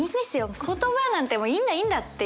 言葉なんていいんだいいんだっていう。